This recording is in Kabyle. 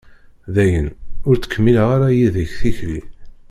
Dayen, ur ttkemmileɣ ara yid-k tikli.